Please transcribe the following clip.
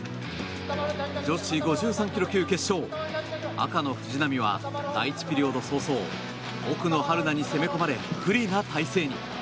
女子５３ｋｇ級決勝赤の藤波は第１ピリオド早々奥野春菜に攻め込まれ不利な体勢に。